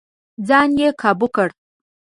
ځان يې کابو کړ.